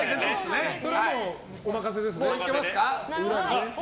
それはもう、お任せですね。